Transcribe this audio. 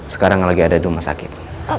sekarang lagi ada di rumah sakit